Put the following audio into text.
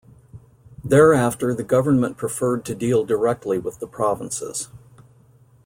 Thereafter the government preferred to deal directly with the provinces.